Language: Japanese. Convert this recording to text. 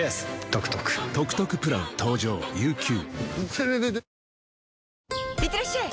あぁいってらっしゃい！